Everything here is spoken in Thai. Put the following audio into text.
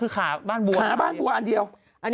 ขาบ้านบัวอันเดียว